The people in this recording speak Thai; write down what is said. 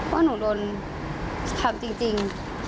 ว่าหนูโดนทำจริง